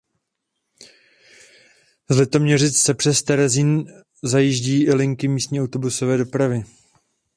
Z Litoměřic sem přes Terezín zajíždí i linky místní autobusové dopravy.